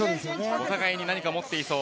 お互いに何か持っていそう。